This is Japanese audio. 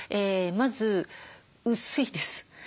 まず薄いです。